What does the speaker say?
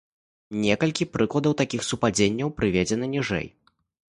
Некалькі прыкладаў такіх супадзенняў прыведзена ніжэй.